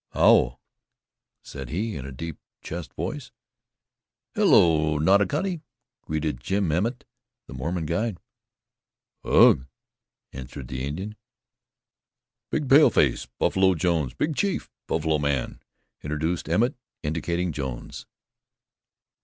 "How," said he, in a deep chest voice. "Hello, Noddlecoddy," greeted Jim Emmett, the Mormon guide. "Ugh!" answered the Indian. "Big paleface Buffalo Jones big chief buffalo man," introduced Emmett, indicating Jones.